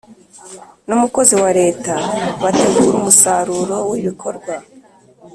n umukozi wa Leta bategura umusaruro w ibikorwa